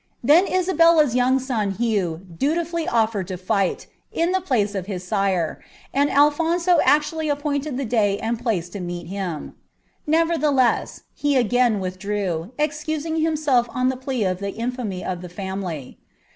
Then Isabella's yonng sou Hugh dutifully ofll in the place of his sire, and Alphunso actually appointed place lo meet him; nevertheless, he again withdrew, ezci on the plea of the infamy of the family.